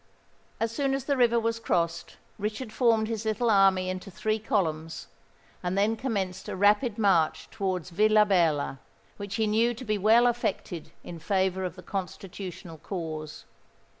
As soon as the river was crossed, Richard formed his little army into three columns, and then commenced a rapid march towards Villabella, which he knew to be well affected in favour of the Constitutional cause.